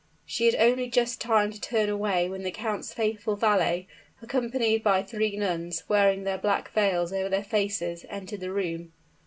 She had only just time to turn away when the count's faithful valet, accompanied by three nuns, wearing their black veils over their faces, entered the room.